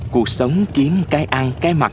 cuộc sống kiếm cái ăn cái mặt